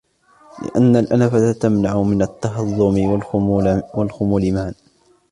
لِأَنَّ الْأَنَفَةَ تَمْنَعُ مِنْ التَّهَضُّمِ وَالْخُمُولِ مَعًا